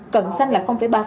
cận xanh là ba